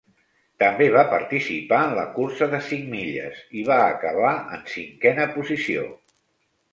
També va participar en la cursa de cinc milles i va acabar en cinquena posició.